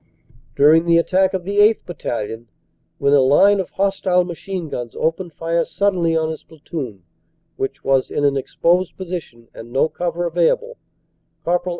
During the attack of the 8th. Battalion, when a line of hos tile machine guns opened fire suddenly on his platoon, which was in an exposed position and no cover available, Cpl.